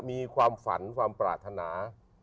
มีความฝันความปรารถนา